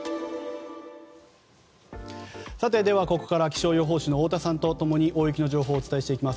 ここからは気象予報士の太田さんと共に大雪の情報をお伝えしていきます。